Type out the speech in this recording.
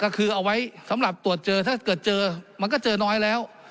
ก็คือเอาไว้สำหรับตรวจเจอถ้าเกิดเจอมันก็เจอน้อยแล้ว